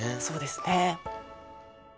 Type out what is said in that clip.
そうですね。